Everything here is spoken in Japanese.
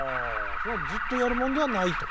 それはずっとやるもんではないと。